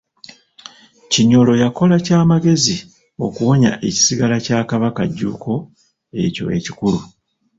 Kinyolo yakola kya magezi okuwonya ekisigala kya Kabaka Jjuuko ekyo ekikulu.